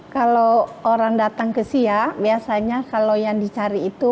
kalau orang datang ke siak biasanya kalau yang dicari itu